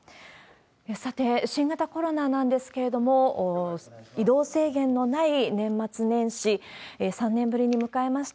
さて、新型コロナなんですけれども、移動制限のない年末年始、３年ぶりに迎えました。